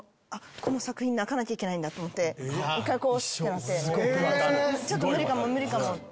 この作品泣かなきゃいけないんだ一回置こう！ってなってちょっと無理かも無理かも。